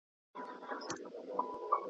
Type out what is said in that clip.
غرڅه هغو پښو له پړانګه وو ژغورلی .